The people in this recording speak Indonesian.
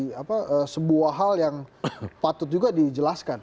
menjadi sebuah hal yang patut juga dijelaskan